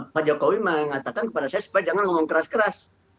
pak jokowi mengatakan kepada saya supaya jangan ngomong keras keras